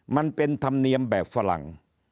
มันเป็นธรรมเนียมแบบฝรั่ง